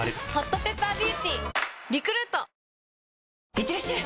いってらっしゃい！